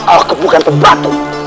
aku bukan pembantu